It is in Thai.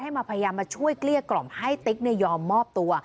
มาพยายามมาช่วยเกลี้ยกล่อมให้ติ๊กยอมมอบตัว